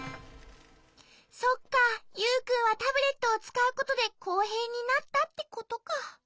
そっかユウくんはタブレットをつかうことでこうへいになったってことか。